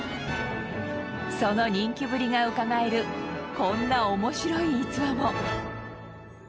その人気ぶりが伺えるこんな面白い逸話も。